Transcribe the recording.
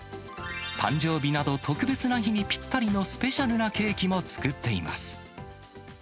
誕生日など、特別な日にぴったりのスペシャルなケーキも作っています。